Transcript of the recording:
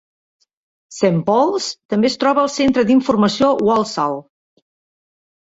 Saint Paul's també es troba al Centre d'informació Walsall.